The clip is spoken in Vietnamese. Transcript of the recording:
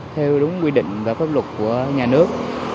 theo đúng quy định và pháp luật của nhà nước